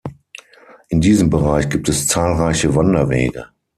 In diesem Bereich gibt es zahlreiche Wanderwege.